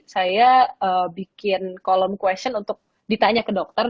saya bikin kolom question untuk ditanya ke dokter